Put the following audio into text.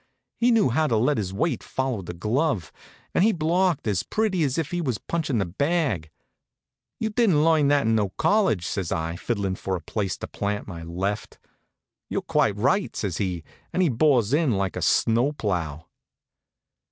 He knew how to let his weight follow the glove, and he blocked as pretty as if he was punchin' the bag. "You didn't learn that in no college," says I, fiddlin' for a place to plant my left. "You're quite right," says he, and bores in like a snow plough.